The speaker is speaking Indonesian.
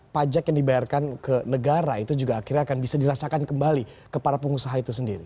pajak yang dibayarkan ke negara itu juga akhirnya akan bisa dirasakan kembali ke para pengusaha itu sendiri